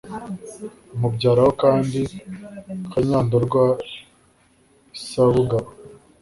Amubyaraho kandi Kanyandorwa I Sabugabo